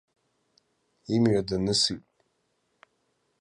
Имҩа данысит.